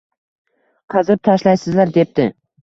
"Qazib tashlaysizlar! debdi.